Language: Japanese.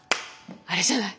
あれじゃない？